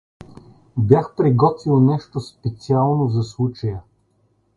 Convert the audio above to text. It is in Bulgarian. Бях приготвил нещо „специално“ за случая.